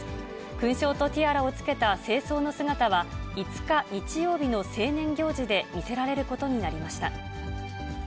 勲章とティアラをつけた正装の姿は、５日日曜日の成年行事で見せられることになりました。